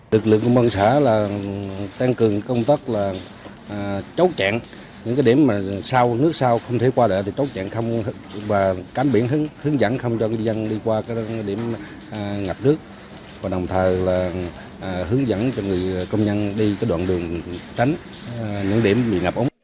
lực lượng công an xã tịnh phong đã có mặt điều tiết hỗ trợ phương tiện giao thông qua đoạn đường này